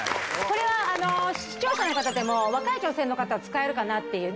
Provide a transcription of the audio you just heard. これは視聴者の方でも若い女性の方は使えるかなっていうのが